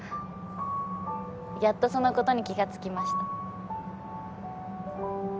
やっとそのことに気が付きました。